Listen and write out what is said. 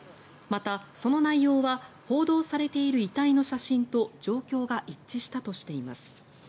また、その内容は報道されている遺体の写真と状況が一致したとしています。